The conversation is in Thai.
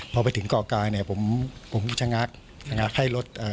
พอไปถึงเกาะกลางเนี่ยผมผมจะงักนะครับให้รถเอ่อ